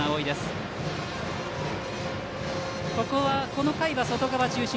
この回は外側中心。